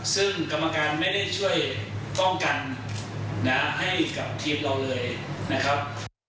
ซึ่งกรรมการไม่ได้ช่วยป้องกันนะให้กับทีมเราเลยนะครับ